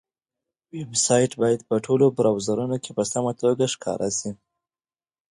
ویب سایټ باید په ټولو براوزرونو کې په سمه توګه ښکاره شي.